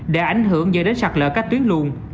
đã ảnh hưởng do đến sạt lở các tuyến luồng